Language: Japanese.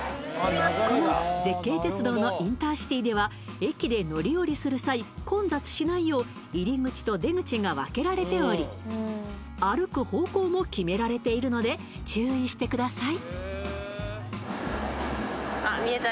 この絶景鉄道のインターシティでは駅で乗り降りする際混雑しないよう入り口と出口が分けられており歩く方向も決められているので注意してください